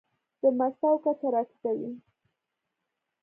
د مسو کچه راټېته وي.